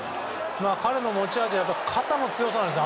彼の持ち味は肩の強さなんです。